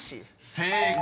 ［正解！］